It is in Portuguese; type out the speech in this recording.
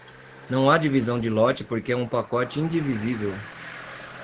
Não há divisão de lote porque é um pacote indivisível.